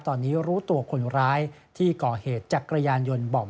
ตอนนี้รู้ตัวคนร้ายที่ก่อเหตุจักรยานยนต์บ่อม